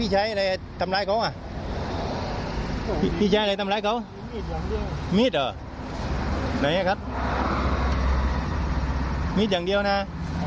ไหนอะครับมีดอย่างเดียวนะ